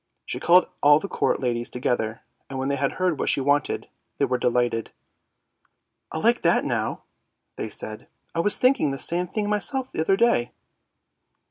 She called all the court ladies together, and when they heard what she wanted, they were delighted. ' I like that now,' they said. ' I was thinking the same thing myself the other day.'